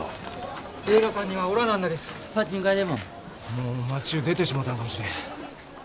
もう町ゅう出てしもうたんかもしれん。